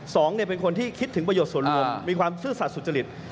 สองคนเป็นคนที่คิดถึงประโยชน์ส่วนรวมมีความซื่อสัตว์สุจริต